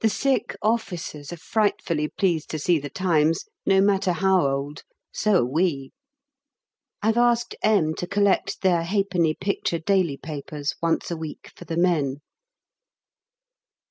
The sick officers are frightfully pleased to see 'The Times,' no matter how old; so are we. I've asked M. to collect their 1/2d. picture daily papers once a week for the men.